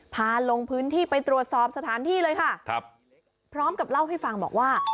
พาลงพื้นที่ไปตรวจสอบสถานที่เลยค่ะครับพร้อมกับเล่าให้ฟังบอกว่า